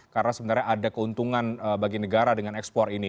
karena sebenarnya ada keuntungan bagi negara dengan ekspor ini